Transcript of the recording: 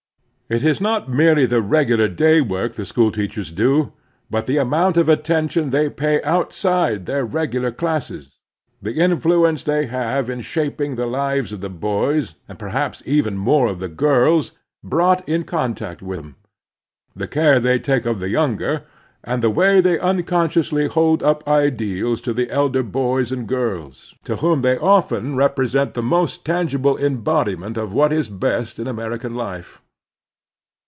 It is not merely the regular day work the school teachers do, but the amotmt of attention they pay outside their regtdar classes; the influ ence they have in shaping the lives of the boys, and perhaps even more of the girls, brought in contact with them ; the care they take of the yoimger, and the way they unconsciously hold up ideals to the elder bo5rs and girls, to whom they often represent the most tangible embodiment of what is best in American life.